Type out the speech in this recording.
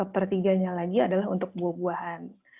satu per tiga nya lagi adalah untuk buah buahan